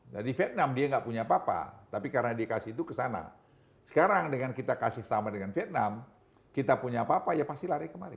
jadi vietnam dia gak punya apa apa tapi karena dia kasih itu ke sana sekarang dengan kita kasih sama dengan vietnam kita punya apa apa ya pasti lari kemari